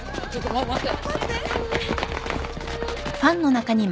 待って。